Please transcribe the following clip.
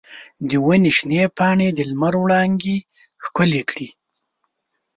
د ونې شنې پاڼې د لمر وړانګې ښکلې کړې.